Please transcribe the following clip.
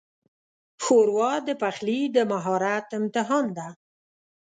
ښوروا د پخلي د مهارت امتحان ده.